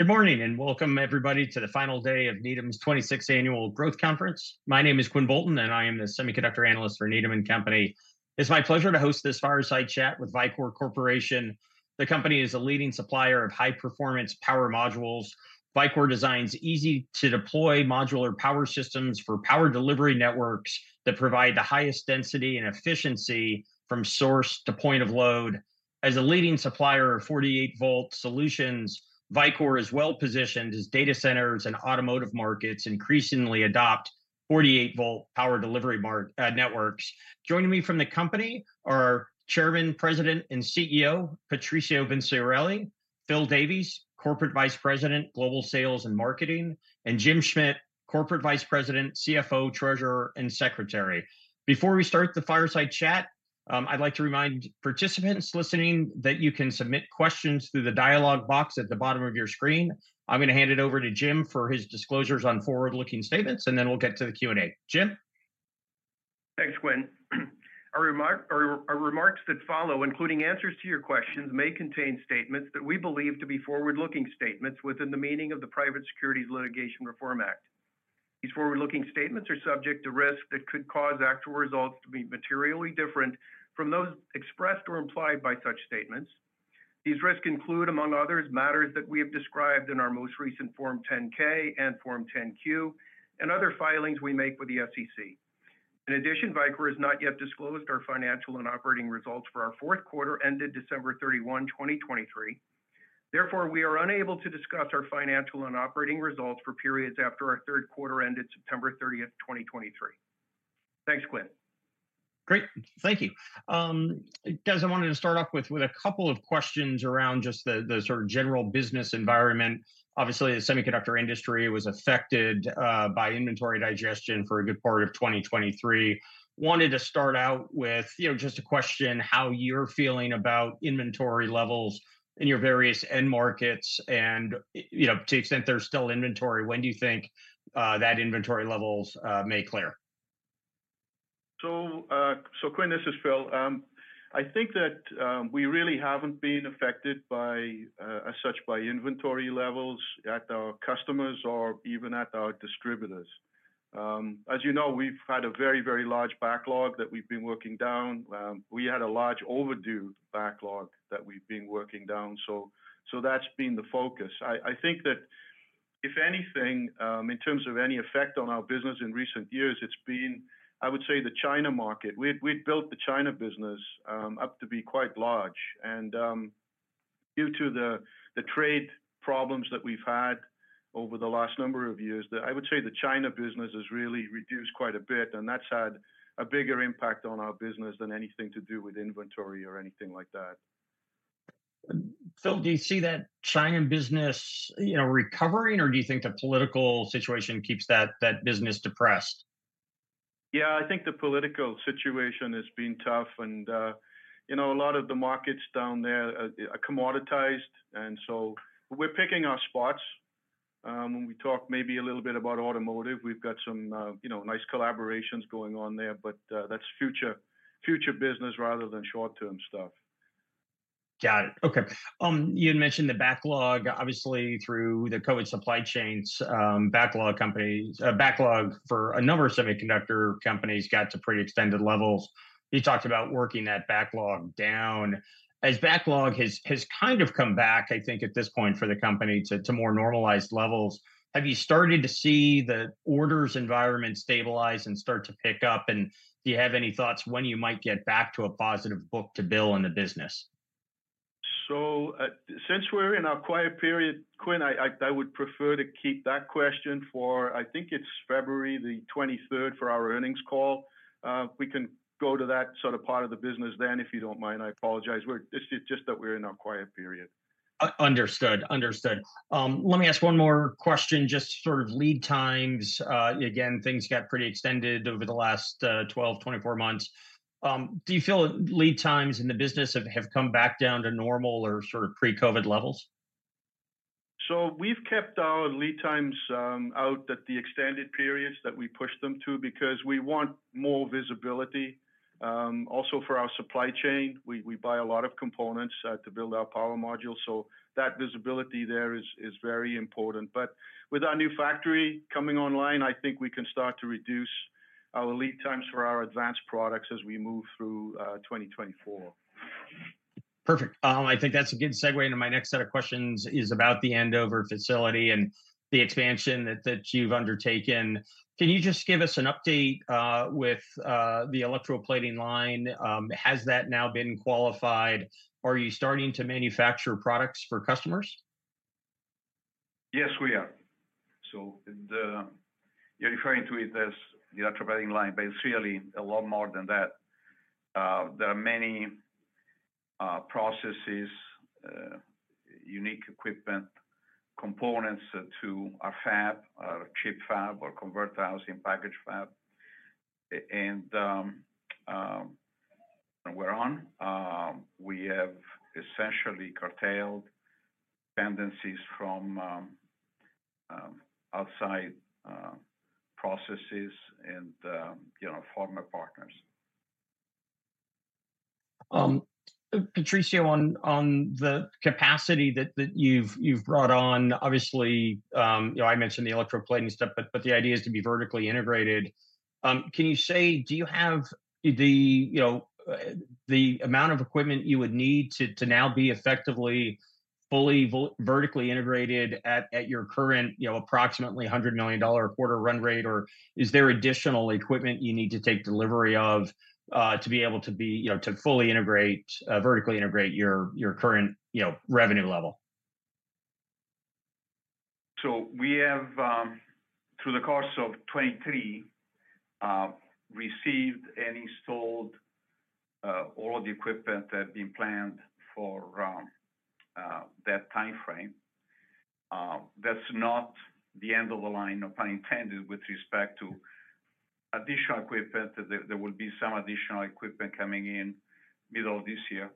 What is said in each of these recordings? Good morning, and welcome everybody to the final day of Needham's 26th Annual Growth Conference. My name is Quinn Bolton, and I am the semiconductor analyst for Needham & Company. It's my pleasure to host this fireside chat with Vicor Corporation. The company is a leading supplier of high-performance power modules. Vicor designs easy-to-deploy modular power systems for power delivery networks that provide the highest density and efficiency from source to point of load. As a leading supplier of 48 volt solutions, Vicor is well-positioned as data centers and automotive markets increasingly adopt 48 volt power delivery networks. Joining me from the company are Chairman, President, and CEO, Patrizio Vinciarelli; Phil Davies, Corporate Vice President, Global Sales and Marketing; and Jim Schmidt, Corporate Vice President, CFO, Treasurer, and Secretary. Before we start the fireside chat, I'd like to remind participants listening that you can submit questions through the dialogue box at the bottom of your screen. I'm gonna hand it over to Jim for his disclosures on forward-looking statements, and then we'll get to the Q&A. Jim? Thanks, Quinn. Our remark, or our remarks that follow, including answers to your questions, may contain statements that we believe to be forward-looking statements within the meaning of the Private Securities Litigation Reform Act. These forward-looking statements are subject to risks that could cause actual results to be materially different from those expressed or implied by such statements. These risks include, among others, matters that we have described in our most recent Form 10-K and Form 10-Q, and other filings we make with the SEC. In addition, Vicor has not yet disclosed our financial and operating results for our fourth quarter ended December 31, 2023. Therefore, we are unable to discuss our financial and operating results for periods after our third quarter ended September 30th, 2023. Thanks, Quinn. Great, thank you. Guys, I wanted to start off with a couple of questions around just the sort of general business environment. Obviously, the semiconductor industry was affected by inventory digestion for a good part of 2023. Wanted to start out with, you know, just a question, how you're feeling about inventory levels in your various end markets and you know, to the extent there's still inventory, when do you think that inventory levels may clear? So, Quinn, this is Phil. I think that we really haven't been affected by, as such by inventory levels at our customers or even at our distributors. As you know, we've had a very, very large backlog that we've been working down. We had a large overdue backlog that we've been working down, so that's been the focus. I think that if anything, in terms of any effect on our business in recent years, it's been, I would say, the China market. We'd built the China business up to be quite large, and due to the trade problems that we've had over the last number of years, the I would say, the China business has really reduced quite a bit, and that's had a bigger impact on our business than anything to do with inventory or anything like that. Phil, do you see that China business, you know, recovering, or do you think the political situation keeps that, that business depressed? Yeah, I think the political situation has been tough and, you know, a lot of the markets down there are commoditized, and so we're picking our spots. When we talk maybe a little bit about automotive, we've got some, you know, nice collaborations going on there, but, that's future, future business rather than short-term stuff. Got it. Okay. You had mentioned the backlog, obviously, through the COVID supply chains, backlog for a number of semiconductor companies got to pretty extended levels. You talked about working that backlog down. As backlog has kind of come back, I think, at this point for the company to more normalized levels, have you started to see the orders environment stabilize and start to pick up? And do you have any thoughts when you might get back to a positive book-to-bill in the business? So, since we're in our quiet period, Quinn, I would prefer to keep that question for, I think it's February 23rd for our earnings call. We can go to that sort of part of the business then, if you don't mind. I apologize. We're. It's just that we're in our quiet period. Understood. Understood. Let me ask one more question, just sort of lead times. Again, things got pretty extended over the last 12, 24 months. Do you feel lead times in the business have come back down to normal or sort of pre-COVID levels? We've kept our lead times out at the extended periods that we pushed them to because we want more visibility. Also, for our supply chain, we buy a lot of components to build our power modules, so that visibility there is very important. With our new factory coming online, I think we can start to reduce our lead times for our advanced products as we move through 2024. Perfect. I think that's a good segue into my next set of questions is about the Andover facility and the expansion that, that you've undertaken. Can you just give us an update with the electroplating line? Has that now been qualified? Are you starting to manufacture products for customers? Yes, we are. So the, you're referring to it as the electroplating line, but it's really a lot more than that. There are many processes, unique equipment, components to our fab, our ChiP fab, our Converter housed in Package fab. And we're on. We have essentially curtailed tendencies from outside processes and, you know, former partners. Patrizio, on the capacity that you've brought on, obviously, you know, I mentioned the electroplating stuff, but the idea is to be vertically integrated. Can you say, do you have the, you know, the amount of equipment you would need to now be effectively fully vertically integrated at your current, you know, approximately $100 million quarter run rate? Or is there additional equipment you need to take delivery of, to be able to be, you know, to fully integrate, vertically integrate your current, you know, revenue level? So we have, through the course of 2023, received and installed, all of the equipment that had been planned for, that timeframe. That's not the end of the line, no pun intended, with respect to additional equipment. There will be some additional equipment coming in middle of this year.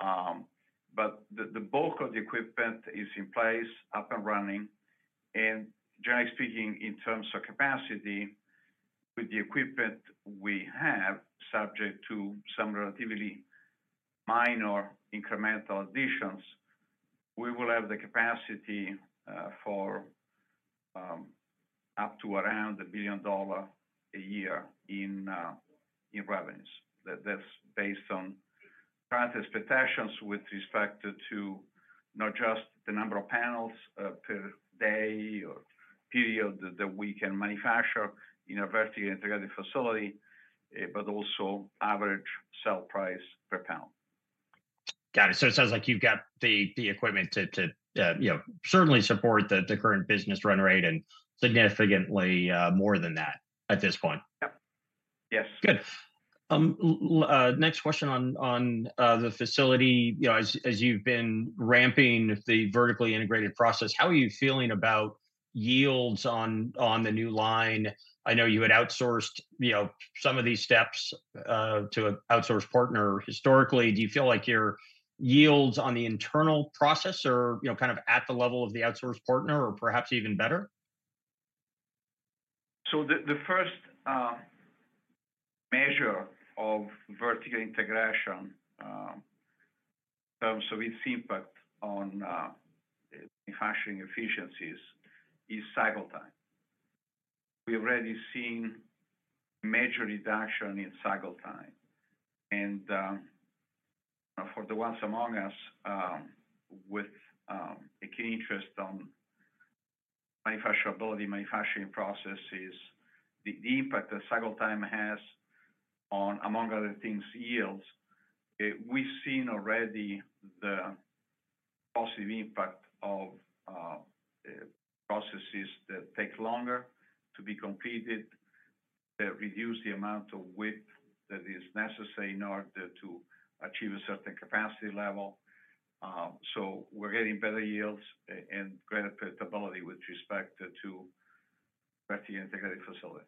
But the bulk of the equipment is in place, up and running. Generally speaking, in terms of capacity, with the equipment we have, subject to some relatively minor incremental additions, we will have the capacity for up to around $1 billion a year in revenues. That's based on current expectations with respect to not just the number of panels, per day or period that we can manufacture in a vertically integrated facility, but also average sell price per panel. Got it. So it sounds like you've got the equipment to you know certainly support the current business run rate and significantly more than that at this point? Yep. Yes. Good. Next question on, on, the facility. You know, as, as you've been ramping the vertically-integrated process, how are you feeling about yields on, on the new line? I know you had outsourced, you know, some of these steps, to an outsourced partner historically. Do you feel like your yields on the internal process are, you know, kind of at the level of the outsourced partner or perhaps even better? So the first measure of vertical integration, in terms of its impact on manufacturing efficiencies, is cycle time. We've already seen major reduction in cycle time. And for the ones among us with a key interest on manufacturability, manufacturing processes, the impact that cycle time has on, among other things, yields, we've seen already the positive impact of processes that take longer to be completed, that reduce the amount of width that is necessary in order to achieve a certain capacity level. So we're getting better yields and greater profitability with respect to vertically-integrated facility.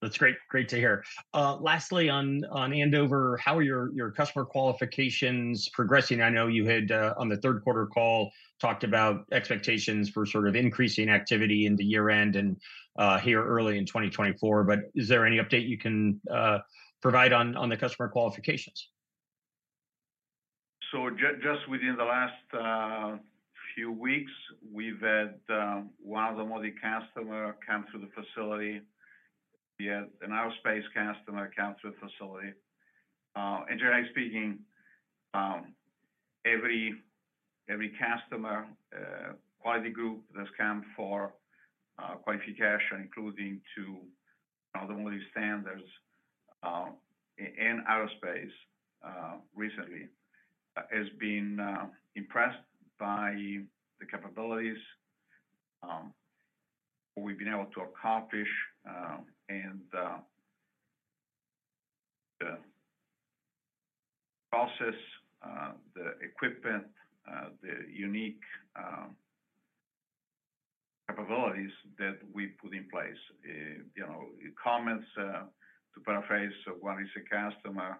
That's great, great to hear. Lastly, on, on Andover, how are your, your customer qualifications progressing? I know you had, on the third quarter call, talked about expectations for sort of increasing activity in the year-end and, here early in 2024. But is there any update you can, provide on, on the customer qualifications? So just within the last few weeks, we've had one of the multi customer come through the facility. We had an aerospace customer come through the facility. And generally speaking, every customer quality group that's come for qualification, including to the multi standards in aerospace recently, has been impressed by the capabilities we've been able to accomplish, and the process, the equipment, the unique capabilities that we put in place. You know, comments to paraphrase one recent customer,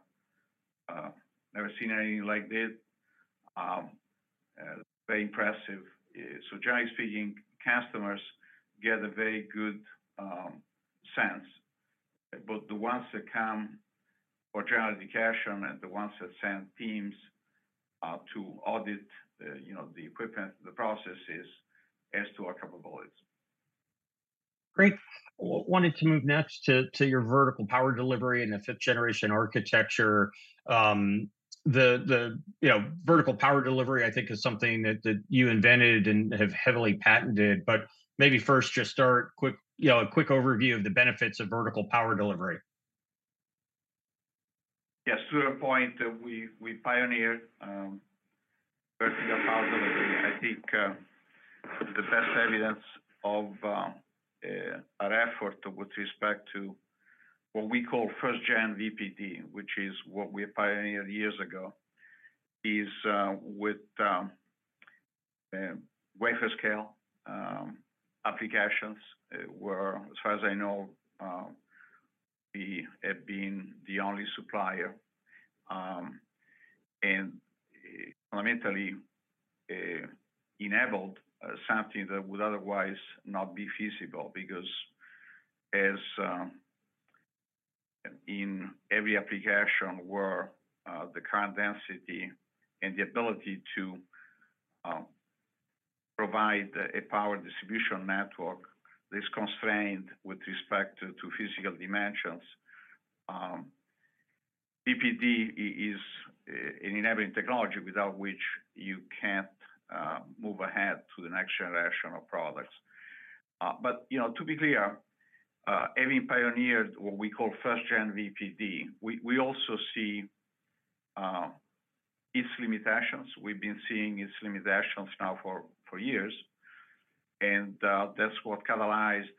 "Never seen anything like this." Very impressive. So generally speaking, customers get a very good sense, both the ones that come for joint certification and the ones that send teams to audit, you know, the equipment, the processes as to our capabilities. Great. Wanted to move next to your vertical power delivery and the fifth-generation architecture. The, you know, vertical power delivery, I think, is something that you invented and have heavily patented. But maybe first just start quick, you know, a quick overview of the benefits of vertical power delivery. Yes, to your point, we, we pioneered vertical power delivery. I think, the best evidence of, our effort with respect to what we call first gen VPD, which is what we pioneered years ago, is, with wafer scale applications, where as far as I know, we have been the only supplier, and fundamentally enabled something that would otherwise not be feasible. Because as in every application where the current density and the ability to provide a power distribution network is constrained with respect to physical dimensions, VPD is an enabling technology without which you can't move ahead to the next generation of products. But, you know, to be clear, and we pioneered what we call first gen VPD. We, we also see its limitations. We've been seeing its limitations now for years, and that's what catalyzed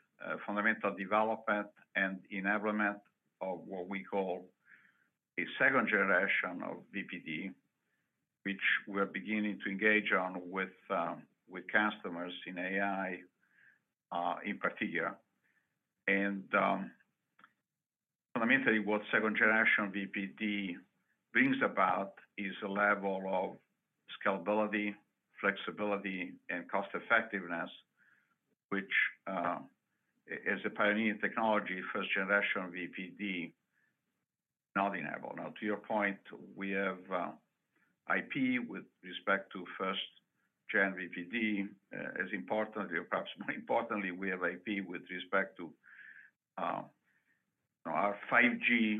fundamental development and enablement of what we call a second generation of VPD, which we're beginning to engage on with customers in AI, in particular. And fundamentally, what second generation VPD brings about is a level of scalability, flexibility, and cost effectiveness, which, as a pioneering technology, first generation VPD not enable. Now, to your point, we have IP with respect to first gen VPD. As importantly, or perhaps more importantly, we have IP with respect to our 5G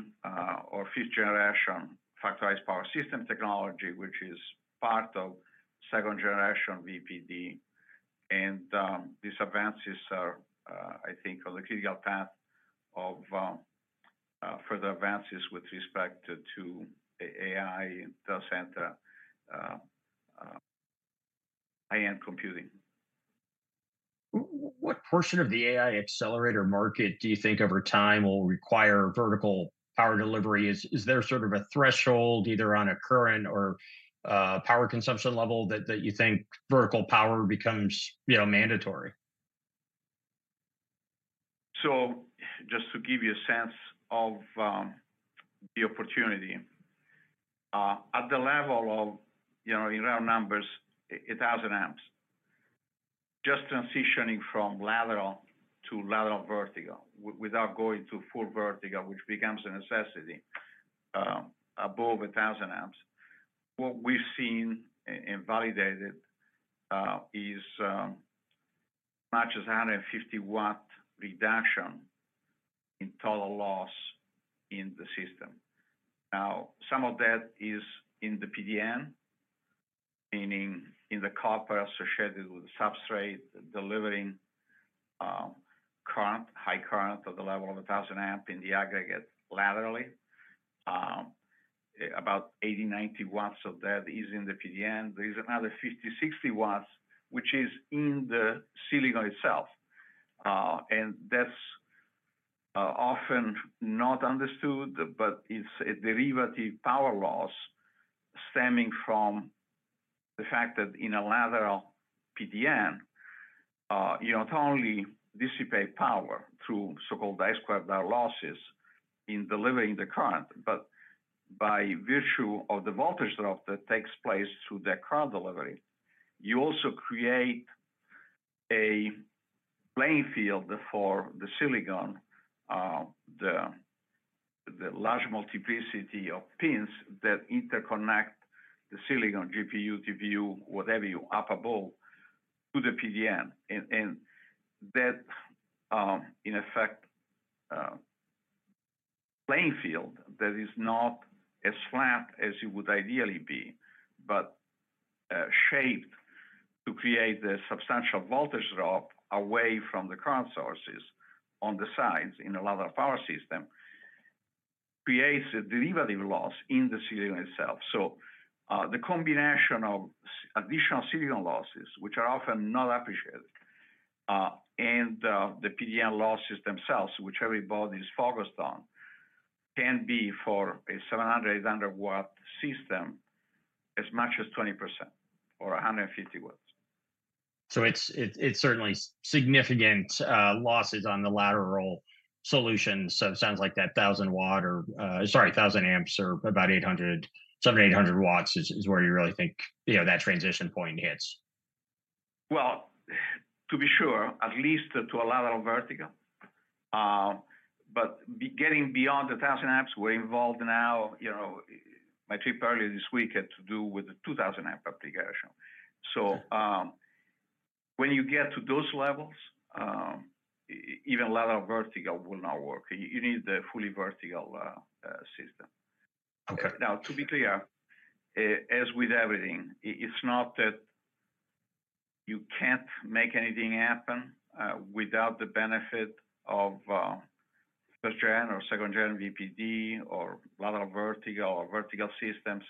or fifth generation factorized power system technology, which is part of second generation VPD. And these advances are, I think, on the clear path of further advances with respect to AI data center high-end computing. What portion of the AI accelerator market do you think over time will require Vertical Power Delivery? Is there sort of a threshold, either on a current or power consumption level, that you think Vertical Power Delivery becomes, you know, mandatory? So just to give you a sense of the opportunity at the level of, you know, in round numbers, 1,000 amps, just transitioning from lateral to vertical without going to full vertical, which becomes a necessity above 1,000 amps. What we've seen and validated is much as a 150-watt reduction in total loss in the system. Now, some of that is in the PDN, meaning in the copper associated with the substrate, delivering current, high current at the level of a 1,000-amp in the aggregate laterally. About 80-90 watts of that is in the PDN. There is another 50-60 watts, which is in the silicon itself. That's often not understood, but it's a derivative power loss stemming from the fact that in a lateral PDN, you not only dissipate power through so-called I-square-R losses in delivering the current, but by virtue of the voltage drop that takes place through that current delivery, you also create a playing field for the silicon, the large multiplicity of pins that interconnect the silicon GPU, whatever you upper bowl to the PDN. And that, in effect, playing field, that is not as flat as it would ideally be, but shaped to create a substantial voltage drop away from the current sources on the sides, in a lateral power system, creates a derivative loss in the silicon itself. So, the combination of additional silicon losses, which are often not appreciated, and the PDN losses themselves, which everybody is focused on, can be for a 700-800 watt system, as much as 20% or 150 watts. So it's certainly significant losses on the lateral solution. So it sounds like that 1,000-watt or, sorry, 1,000 amps or about 800, 700-800 watts is where you really think, you know, that transition point hits. Well, to be sure, at least to a lateral vertical, but getting beyond the 1,000 amps, we're involved now... You know, my trip earlier this week had to do with the 2,000-amp application. Yeah. When you get to those levels, even lateral vertical will not work. You need the fully vertical system. Okay. Now, to be clear, as with everything, it's not that you can't make anything happen without the benefit of first-gen or second-gen VPD or lateral vertical or vertical systems,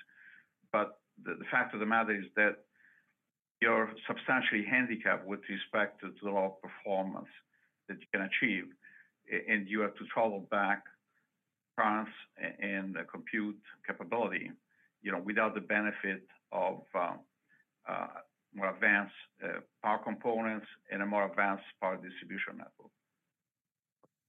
but the fact of the matter is that you're substantially handicapped with respect to the low performance that you can achieve, and you have to throttle back trans and compute capability, you know, without the benefit of more advanced power components and a more advanced power distribution network.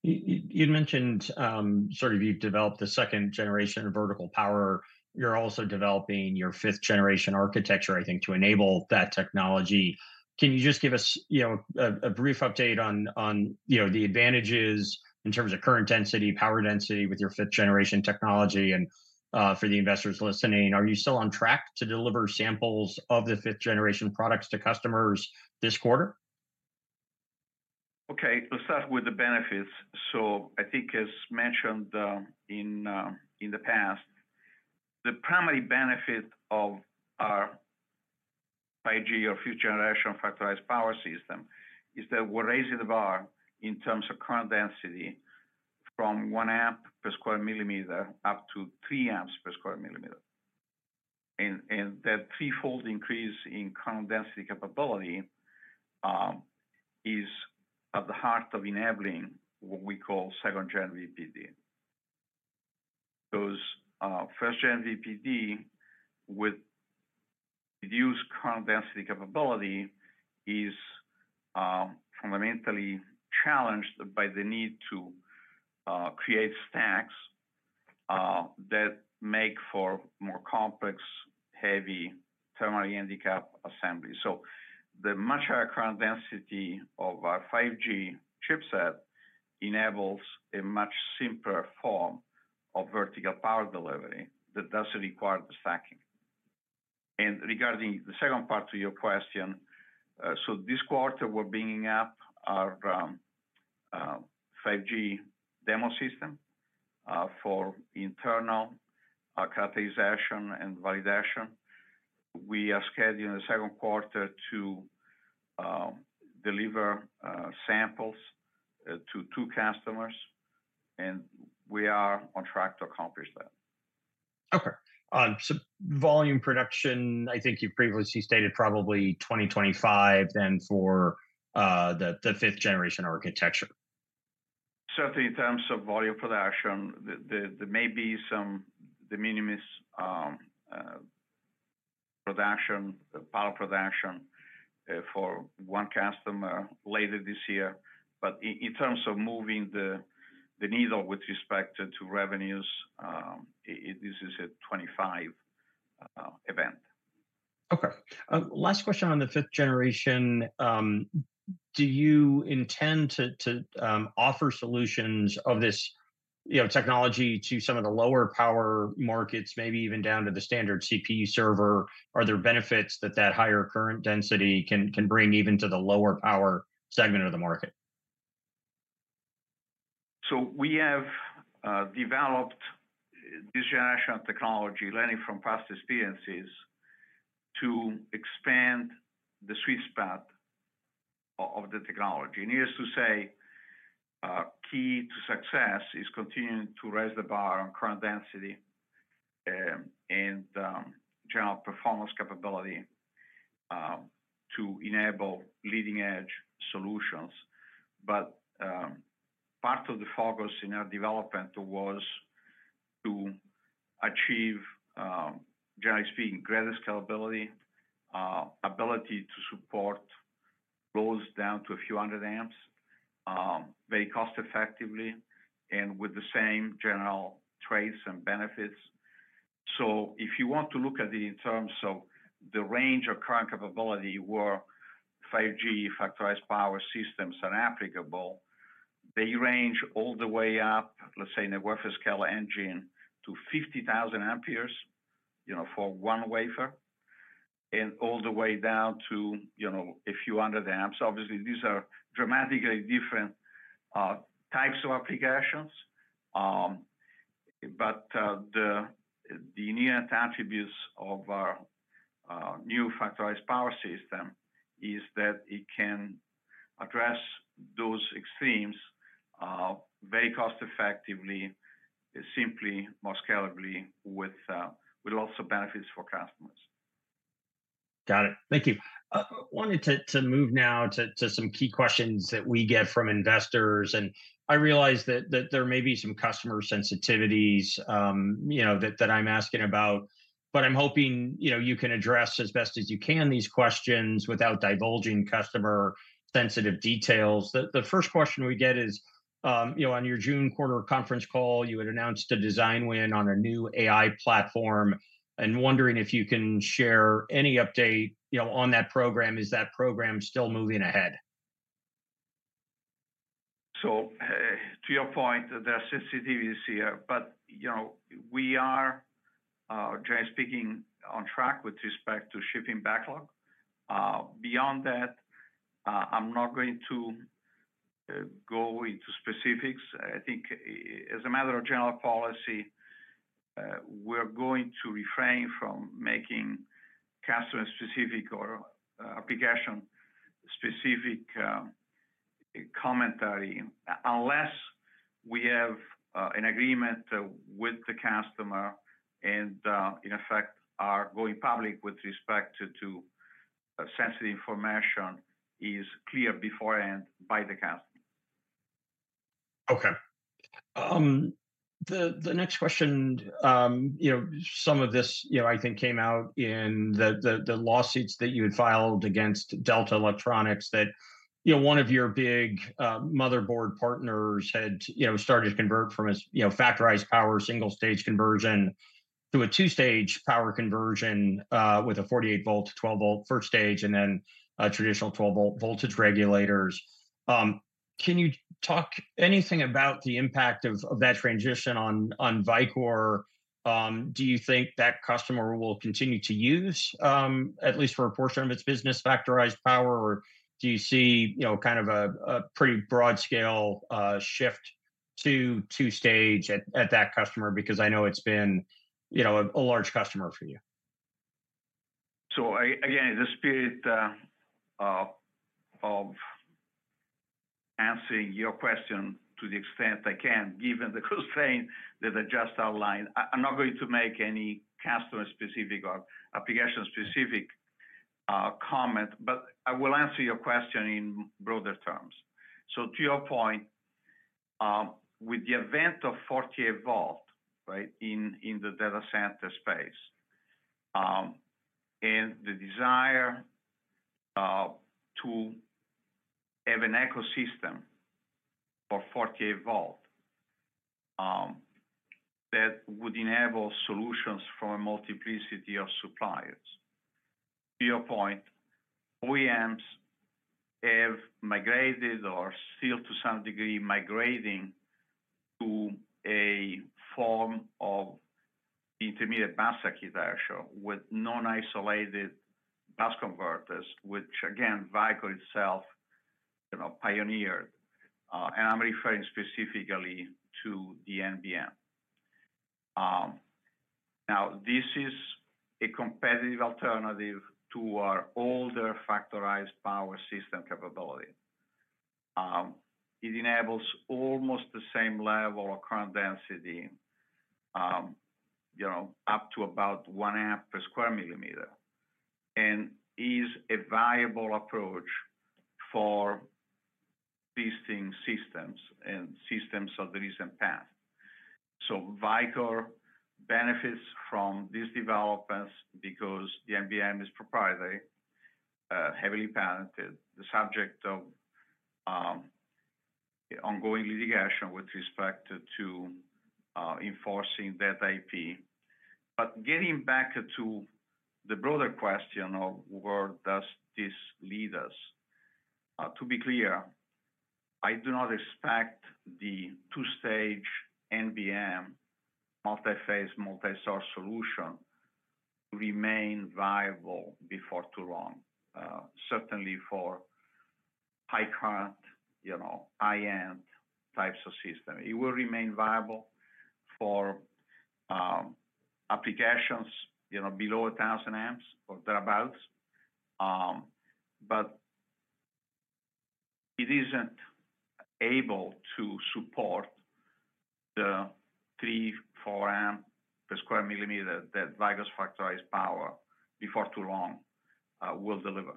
You'd mentioned, sort of you've developed the second generation of vertical power. You're also developing your fifth generation architecture, I think, to enable that technology. Can you just give us, you know, a brief update on, you know, the advantages in terms of current density, power density with your fifth generation technology? And, for the investors listening, are you still on track to deliver samples of the fifth generation products to customers this quarter? Okay, let's start with the benefits. So I think as mentioned in the past, the primary benefit of our 5G or future generation factorized power system is that we're raising the bar in terms of current density from 1 amp per square millimeter up to 3 amps per square millimeter. And that threefold increase in current density capability is at the heart of enabling what we call second-gen VPD. Those first-gen VPD with reduced current density capability is fundamentally challenged by the need to create stacks that make for more complex, heavy, thermally handicapped assembly. So the much higher current density of our 5G chipset enables a much simpler form of vertical power delivery that doesn't require the stacking. Regarding the second part to your question, so this quarter we're bringing up our 5G demo system for internal characterization and validation. We are scheduling the second quarter to deliver samples to two customers, and we are on track to accomplish that. Okay. So volume production, I think you've previously stated probably 2025, then for the fifth generation architecture. Certainly in terms of volume production, there may be some de minimis power production for one customer later this year. But in terms of moving the needle with respect to revenues, this is a 2025 event. Okay. Last question on the fifth generation. Do you intend to offer solutions of this, you know, technology to some of the lower power markets, maybe even down to the standard CPU server? Are there benefits that that higher current density can bring even to the lower power segment of the market? So we have developed this generation of technology, learning from past experiences, to expand the sweet spot of the technology. Needless to say, key to success is continuing to raise the bar on current density, and general performance capability, to enable leading-edge solutions. But part of the focus in our development was to achieve, generally speaking, greater scalability, ability to support loads down to a few hundred amps, very cost effectively and with the same general traits and benefits. So if you want to look at it in terms of the range of current capability, where 5G Factorized Power Systems are applicable, they range all the way up, let's say, in a Wafer Scale Engine, to 50,000 amperes, you know, for one wafer, and all the way down to, you know, a few hundred amps. Obviously, these are dramatically different types of applications. But the inherent attributes of our new factorized power system is that it can address those extremes very cost effectively, simply, more scalably, with lots of benefits for customers. Got it. Thank you. Wanted to move now to some key questions that we get from investors, and I realize that there may be some customer sensitivities, you know, that I'm asking about, but I'm hoping, you know, you can address as best as you can these questions without divulging customer-sensitive details. The first question we get is, you know, on your June quarter conference call, you had announced a design win on a new AI platform, and wondering if you can share any update, you know, on that program. Is that program still moving ahead? So, to your point, there are sensitivities here, but, you know, we are, generally speaking, on track with respect to shipping backlog. Beyond that, I'm not going to, go into specifics. I think as a matter of general policy, we're going to refrain from making customer-specific or, application-specific, commentary, unless we have, an agreement, with the customer and, in effect, are going public with respect to, to, sensitive information is clear beforehand by the customer. Okay, the next question, you know, some of this, you know, I think came out in the lawsuits that you had filed against Delta Electronics, that, you know, one of your big motherboard partners had, you know, started to convert from a factorized power single stage conversion to a two-stage power conversion with a 48-volt, 12-volt first stage, and then traditional 12-volt voltage regulators. Can you talk anything about the impact of that transition on Vicor? Do you think that customer will continue to use, at least for a portion of its business, factorized power, or do you see, you know, kind of a pretty broad scale shift to two-stage at that customer? Because I know it's been, you know, a large customer for you. So again, in the spirit of answering your question to the extent I can, given the constraint that I just outlined, I'm not going to make any customer-specific or application-specific comment, but I will answer your question in broader terms. So to your point, with the advent of 48-volt, right, in the data center space, and the desire to have an ecosystem for 48-volt that would enable solutions from a multiplicity of suppliers. To your point, OEMs have migrated or still, to some degree, migrating to a form of intermediate bus architecture with non-isolated bus converters, which again, Vicor itself, you know, pioneered. And I'm referring specifically to the NBM. Now, this is a competitive alternative to our older factorized power system capability. It enables almost the same level of current density, you know, up to about One amp per square millimeter, and is a viable approach for these things systems and systems of the recent past. So Vicor benefits from these developments because the NBM is proprietary, heavily patented, the subject of ongoing litigation with respect to enforcing that IP. But getting back to the broader question of where does this lead us, to be clear, I do not expect the two-stage NBM multi-phase, multi-source solution to remain viable before too long, certainly for high current, you know, high-end types of system. It will remain viable for applications, you know, below 1,000 amps or thereabouts. But it isn't able to support the three to four amp per square millimeter that Vicor's factorized power before too long will deliver.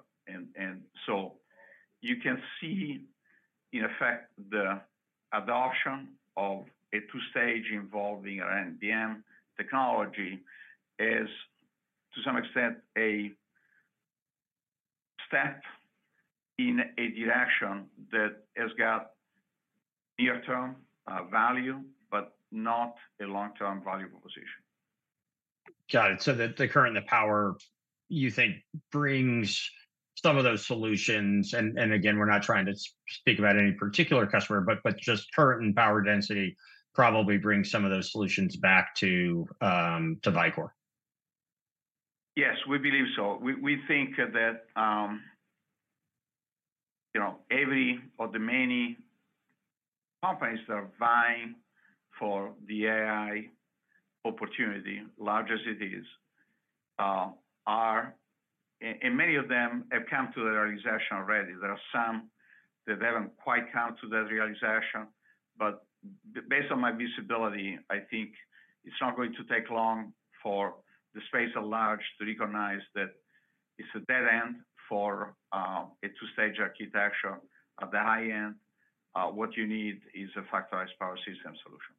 So you can see, in effect, the adoption of a two-stage involving an NBM technology is, to some extent, a step in a direction that has got near-term value, but not a long-term valuable position. Got it. So the current, power you think brings some of those solutions, and again, we're not trying to speak about any particular customer, but just current and power density probably brings some of those solutions back to Vicor. Yes, we believe so. We, we think that, you know, every or the many companies that are vying for the AI opportunity, large as it is, are, and many of them have come to their realization already. There are some that they haven't quite come to that realization, but based on my visibility, I think it's not going to take long for the space at large to recognize that it's a dead end for, a two-stage architecture at the high end. What you need is a factorized power system solution.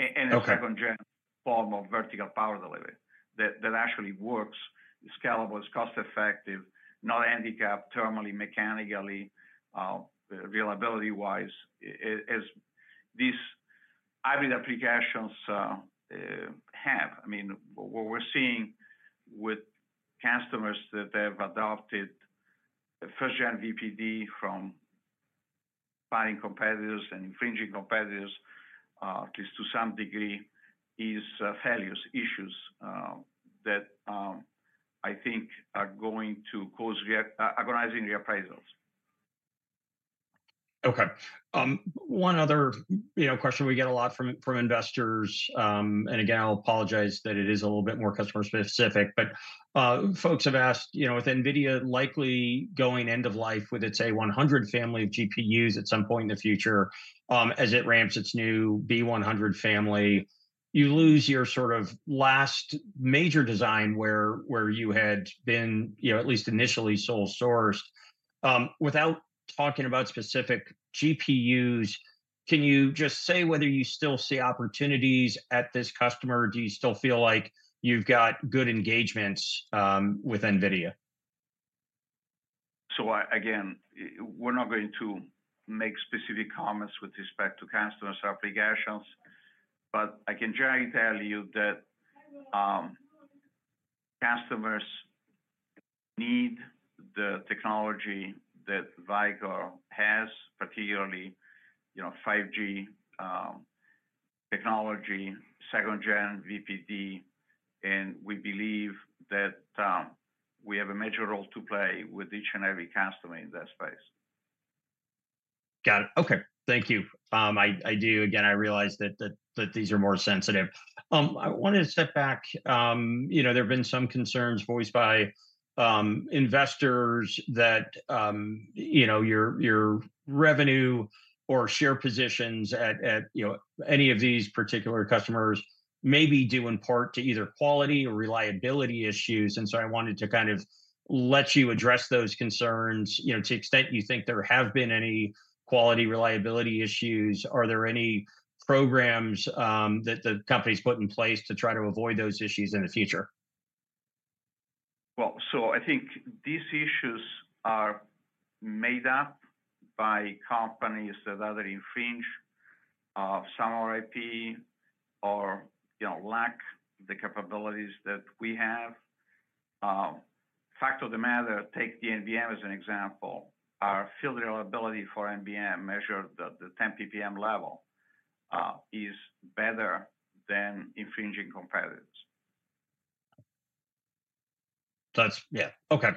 Okay. A second-gen form of vertical power delivery that actually works, is scalable, is cost-effective, not handicapped thermally, mechanically, availability-wise, as these hybrid applications have. I mean, what we're seeing with customers that have adopted a first-gen VPD from buying competitors and infringing competitors, at least to some degree, is failures, issues, that I think are going to cause agonizing reappraisals. Okay. One other, you know, question we get a lot from, from investors, and again, I'll apologize that it is a little bit more customer-specific, but, folks have asked, you know, with NVIDIA likely going end of life with its A100 family of GPUs at some point in the future, as it ramps its new B100 family... you lose your sort of last major design where, where you had been, you know, at least initially sole sourced. Without talking about specific GPUs, can you just say whether you still see opportunities at this customer, or do you still feel like you've got good engagements, with NVIDIA? So again, we're not going to make specific comments with respect to customers' applications, but I can generally tell you that, customers need the technology that Vicor has, particularly, you know, 5G, technology, second gen VPD, and we believe that, we have a major role to play with each and every customer in that space. Got it. Okay. Thank you. I do, again, I realize that these are more sensitive. I wanted to step back, you know, there have been some concerns voiced by investors that, you know, your, your revenue or share positions at, at, you know, any of these particular customers may be due in part to either quality or reliability issues. And so I wanted to kind of let you address those concerns, you know, to the extent you think there have been any quality, reliability issues. Are there any programs that the company's put in place to try to avoid those issues in the future? Well, so I think these issues are made up by companies that either infringe some of our IP or, you know, lack the capabilities that we have. Fact of the matter, take the NBM as an example. Our field reliability for NBM measured at the 10 PPM level is better than infringing competitors. Yeah. Okay.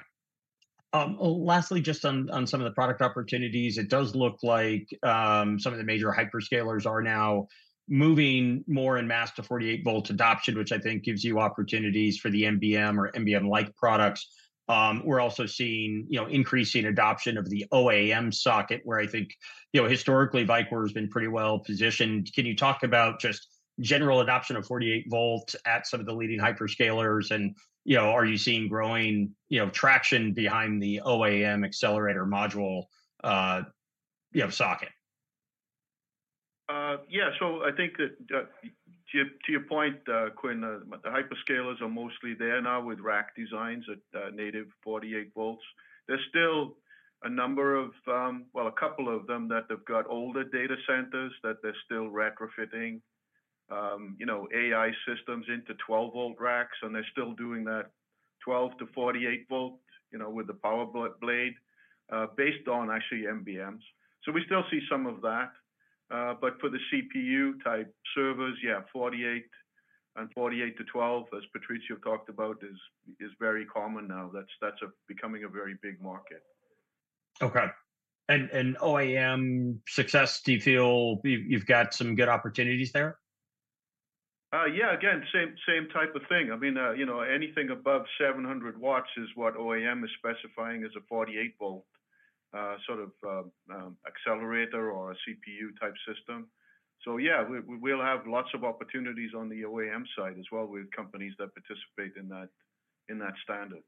Lastly, just on some of the product opportunities, it does look like some of the major hyperscalers are now moving more en masse to 48-volt adoption, which I think gives you opportunities for the NBM or NBM-like products. We're also seeing, you know, increasing adoption of the OAM socket, where I think, you know, historically, Vicor has been pretty well positioned. Can you talk about just general adoption of 48-volt at some of the leading hyperscalers? And, you know, are you seeing growing, you know, traction behind the OAM accelerator module socket? Yeah. So I think that, to your point, Quinn, the hyperscalers are mostly there now with rack designs at native 48 volts. There's still a number of, well, a couple of them that have got older data centers that they're still retrofitting, you know, AI systems into 12-volt racks, and they're still doing that 12-48 volt, you know, with the power blade based on actually NBMs. So we still see some of that. But for the CPU-type servers, yeah, 48 and 48-12, as Patrizio talked about, is very common now. That's becoming a very big market. Okay. And OAM success, do you feel you've got some good opportunities there? Yeah, again, same, same type of thing. I mean, you know, anything above 700 watts is what OAM is specifying as a 48-volt, sort of, accelerator or a CPU-type system. So yeah, we, we'll have lots of opportunities on the OAM side as well with companies that participate in that, in that standard.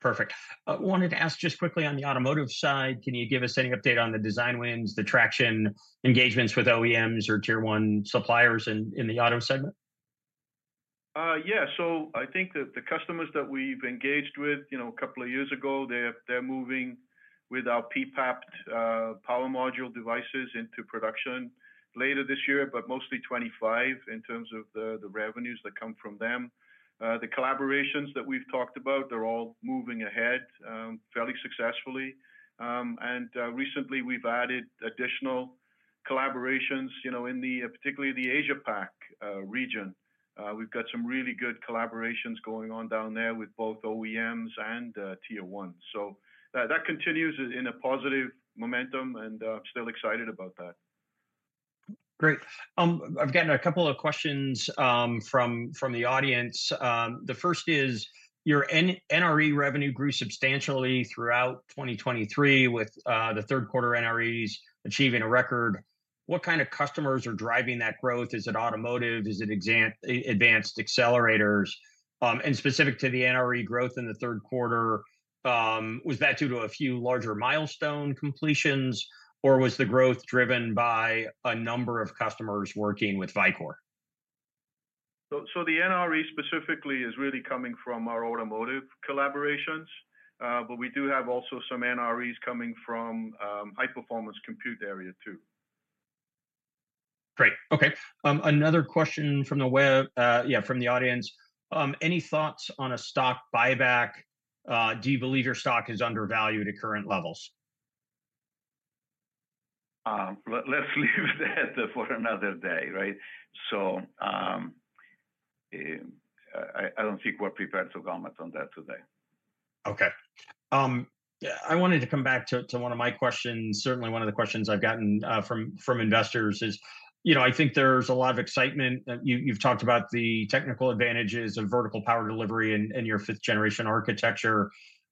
Perfect. I wanted to ask just quickly on the automotive side, can you give us any update on the design wins, the traction, engagements with OEMs or tier one suppliers in the auto segment? Yeah. So I think that the customers that we've engaged with, you know, a couple of years ago, they're, they're moving with our PPAP, power module devices into production later this year, but mostly 2025 in terms of the, the revenues that come from them. The collaborations that we've talked about are all moving ahead, fairly successfully. And recently we've added additional collaborations, you know, in the, particularly the Asia Pac, region. We've got some really good collaborations going on down there with both OEMs and, tier ones. So, that continues in a positive momentum, and, I'm still excited about that. Great. I've gotten a couple of questions from the audience. The first is, "Your NRE revenue grew substantially throughout 2023 with the third quarter NREs achieving a record. What kind of customers are driving that growth? Is it automotive? Is it exascale advanced accelerators? And specific to the NRE growth in the third quarter, was that due to a few larger milestone completions, or was the growth driven by a number of customers working with Vicor? So, the NRE specifically is really coming from our automotive collaborations, but we do have also some NREs coming from high-performance compute area, too. Great, okay. Another question from the web, from the audience: "Any thoughts on a stock buyback? Do you believe your stock is undervalued at current levels?" Let's leave that for another day, right? So, I don't think we're prepared to comment on that today. Okay. Yeah, I wanted to come back to, to one of my questions. Certainly, one of the questions I've gotten from, from investors is, you know, I think there's a lot of excitement that you, you've talked about the technical advantages of vertical power delivery and, and your fifth-generation architecture.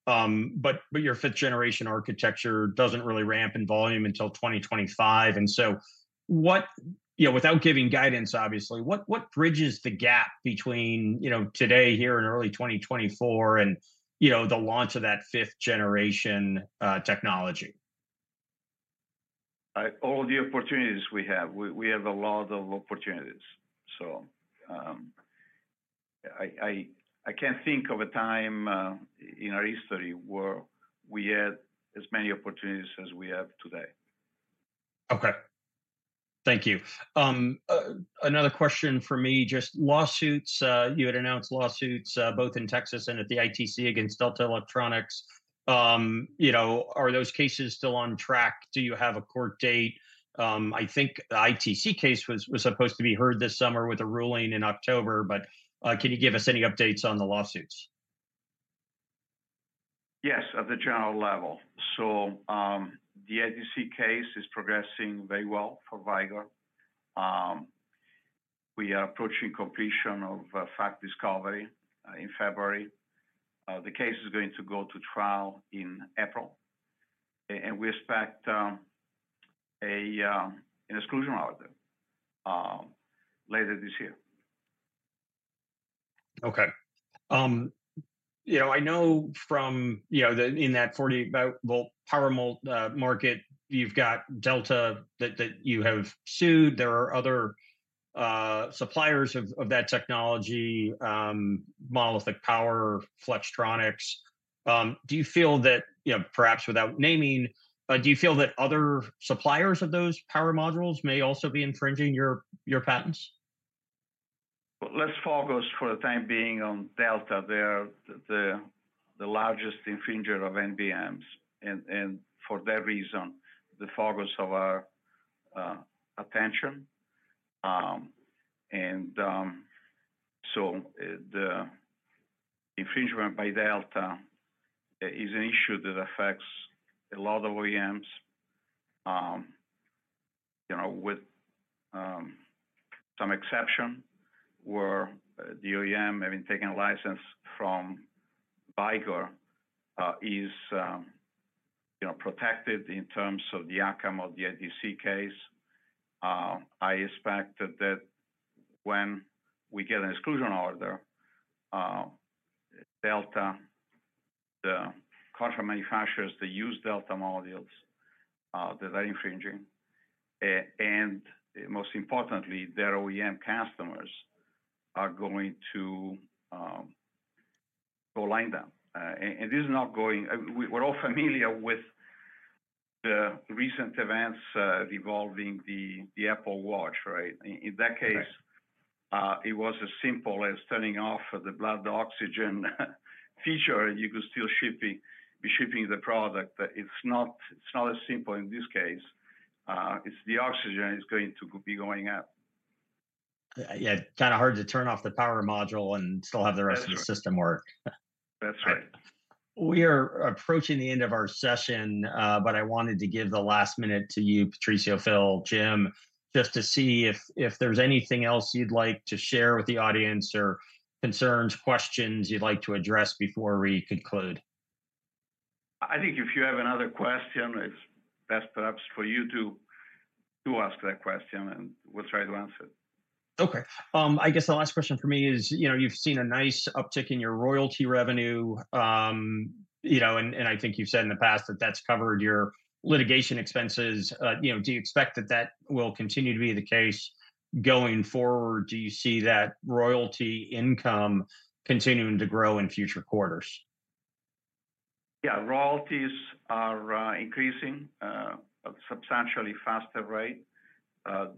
But, but your fifth-generation architecture doesn't really ramp in volume until 2025, and so what, you know, without giving guidance, obviously, what, what bridges the gap between, you know, today here in early 2024 and, you know, the launch of that fifth generation technology? All the opportunities we have. We have a lot of opportunities. So, I can't think of a time in our history where we had as many opportunities as we have today. Okay. Thank you. Another question from me, just lawsuits. You had announced lawsuits, both in Texas and at the ITC against Delta Electronics. You know, are those cases still on track? Do you have a court date? I think the ITC case was supposed to be heard this summer with a ruling in October, but can you give us any updates on the lawsuits? Yes, at the general level. So, the ITC case is progressing very well for Vicor. We are approaching completion of fact discovery in February. The case is going to go to trial in April, and we expect an exclusion order later this year. Okay. You know, I know from, you know, the in that 40-volt power module market, you've got Delta that you have sued. There are other suppliers of that technology, Monolithic Power, Flextronics. Do you feel that, you know, perhaps without naming, do you feel that other suppliers of those power modules may also be infringing your patents? Let's focus for the time being on Delta. They're the largest infringer of NBMs, and for that reason, the focus of our attention. The infringement by Delta is an issue that affects a lot of OEMs. You know, with some exception, where the OEM having taken a license from Vicor is, you know, protected in terms of the outcome of the ITC case. I expect that when we get an exclusion order, Delta, the car manufacturers that use Delta modules that are infringing, and most importantly, their OEM customers are going to go lie down. And this is not going, we're all familiar with the recent events involving the Apple Watch, right? Right. In that case, it was as simple as turning off the blood oxygen feature, and you could still be shipping the product. But it's not as simple in this case. It's the oxygen is going to be going up. Yeah, kind of hard to turn off the power module and still have the That's right Rest of the system work. That's right. We are approaching the end of our session, but I wanted to give the last minute to you, Patrizio, Phil, Jim, just to see if there's anything else you'd like to share with the audience or concerns, questions you'd like to address before we conclude. I think if you have another question, it's best perhaps for you to ask that question, and we'll try to answer it. Okay. I guess the last question for me is, you know, you've seen a nice uptick in your royalty revenue. You know, and, and I think you've said in the past that that's covered your litigation expenses. You know, do you expect that that will continue to be the case going forward? Do you see that royalty income continuing to grow in future quarters? Yeah. Royalties are increasing at a substantially faster rate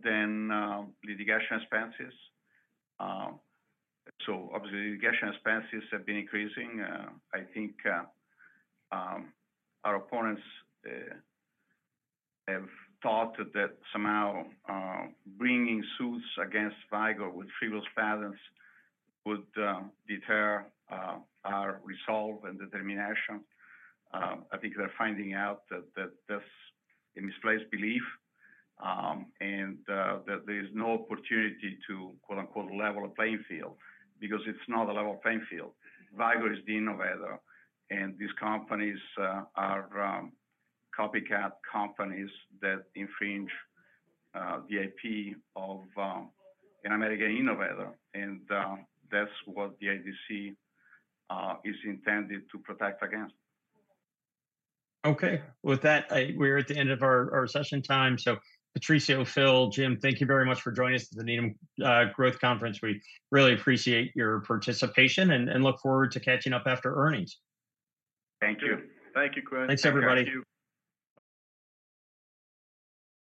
than litigation expenses. So obviously, the litigation expenses have been increasing. I think our opponents have thought that somehow bringing suits against Vicor with frivolous patents would deter our resolve and determination. I think they're finding out that that's a misplaced belief and that there's no opportunity to, quote, unquote, "level the playing field," because it's not a level playing field. Vicor is the innovator, and these companies are copycat companies that infringe the IP of an American innovator, and that's what the ITC is intended to protect against. Okay. With that, we're at the end of our session time. So Patrizio, Phil, Jim, thank you very much for joining us at the Needham Growth Conference. We really appreciate your participation and look forward to catching up after earnings. Thank you. Thank you, Quinn. Thanks, everybody. Thank you.